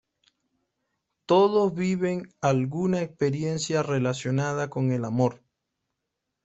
Todas viven alguna experiencia relacionada con el amor.